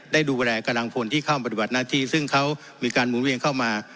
ได้ดูแลกำลังพลที่เข้าปฏิบัติหน้าที่ซึ่งเขามีการหมุนเวียนเข้ามา